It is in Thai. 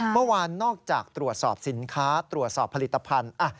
เมื่อวานนอกจากตรวจสอบสินค้าตรวจสอบผลิตภัณฑ์